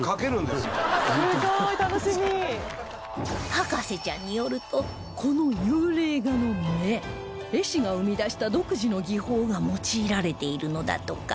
博士ちゃんによるとこの幽霊画の目絵師が生み出した独自の技法が用いられているのだとか